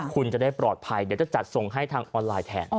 คุณจะได้ปลอดภัยเดี๋ยวจะจัดส่งให้ทางออนไลน์แทน